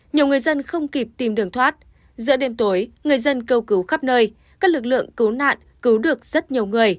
nhiều người dân không kịp tìm đường thoát giữa đêm tối người dân kêu cứu khắp nơi các lực lượng cứu nạn cứu được rất nhiều người